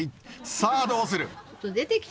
さあどうする？